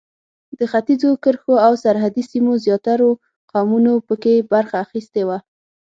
د ختیځو کرښو او سرحدي سیمو زیاترو قومونو په کې برخه اخیستې وه.